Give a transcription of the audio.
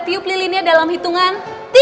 piupli linnya dalam hitungan tiga dua satu